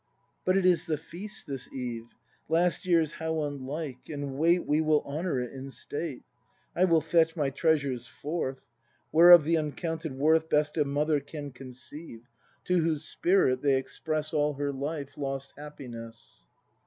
But it is the Feast this eve — Last year's how unlike! And wait We will honour it in state. I will fetch my treasures forth. Whereof the uncounted worth Best a mother can conceive. ACT IV] BRAND 199 To whose spirit they express All her life lost happiness.